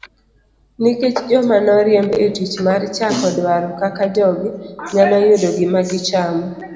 Nikech joma noriemb e tich mar chako dwaro kaka jogi nyalo yudo gima gichamo.